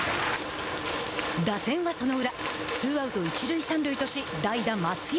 打線はその裏ツーアウト、一塁三塁とし代打松山。